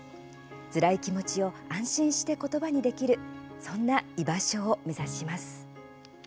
つらい気持ちを安心して言葉にできるそんな居場所を目指します。